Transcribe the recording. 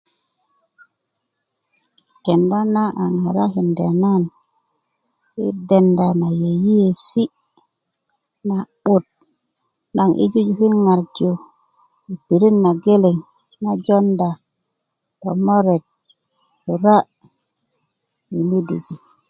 kenda na a ŋarakinda nan yi denda na yeyesi' na'but naŋ yi jujukin ŋarju yi pirit na geleŋ ŋo jonda tomomoret 'bura yi midiijin